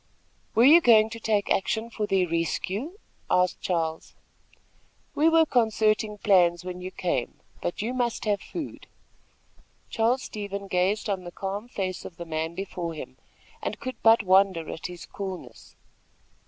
"Were you going to take action for their rescue?" asked Charles. "We were concerting plans when you came; but you must have food." Charles Stevens gazed on the calm face of the man before him, and could but wonder at his coolness.